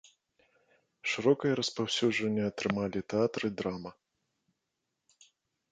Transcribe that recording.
Шырокае распаўсюджванне атрымалі тэатр і драма.